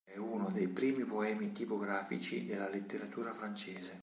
È uno dei primi poemi tipografici della letteratura francese.